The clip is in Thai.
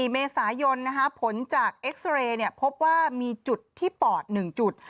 ๔เมษายนผลจากเอ็กซาเรย์พบว่ามีจุดที่ปอด๑จุด